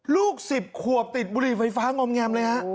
ลูก๑๐ขวบติดบุหรี่ไฟฟ้างอมแงมเลยฮะ